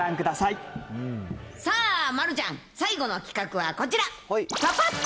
さあ、丸ちゃん、最後の企画はこちら。